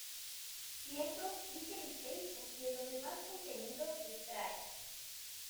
Siendo Twitter y Facebook de donde más contenido se extrae.